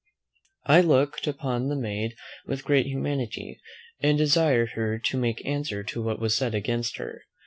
I looked upon the maid with great humanity, and desired her to make answer to what was said against her.